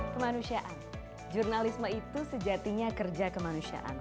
kemanusiaan jurnalisme itu sejatinya kerja kemanusiaan